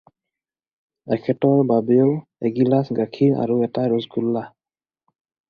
এখেতৰ বাবেও এগিলাচ গাখীৰ আৰু এটা ৰসগোল্লা।